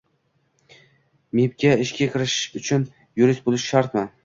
Mibga ishga kirish uchun yurist bo'lish shartmi?